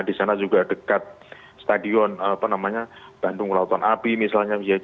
di sana juga dekat stadion bandung lautan api misalnya